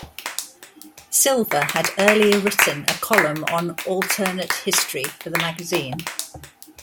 Silver had earlier written a column on alternate history for the magazine.